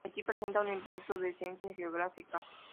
Aquí presenta un impacto de la ciencia geográfica.